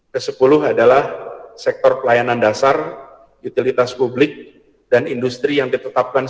ke sepuluh adalah sektor pelayanan dasar utilitas publik dan industri yang ditetapkan